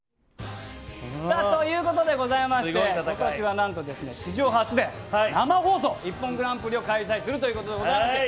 ということでございまして今年は何と史上初で生放送「ＩＰＰＯＮグランプリ」を開催するということでございます。